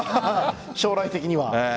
将来的には。